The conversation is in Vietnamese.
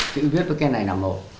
chữ viết với cái này là một